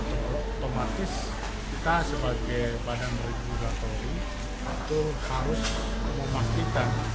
otomatis kita sebagai badan beribu datori itu harus memastikan